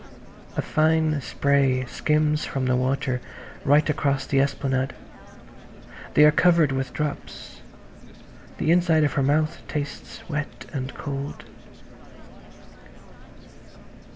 A fine spray skims from the water right across the esplanade. They are covered with drops; the inside of her mouth tastes wet and cold.